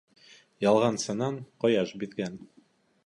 Ялғансынан ҡояш биҙгән.